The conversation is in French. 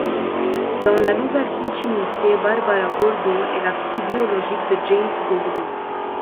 Dans la nouvelle continuité, Barbara Gordon est la fille biologique de James Gordon.